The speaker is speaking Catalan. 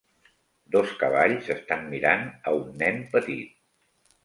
Dos cavalls estan mirant a un nen petit.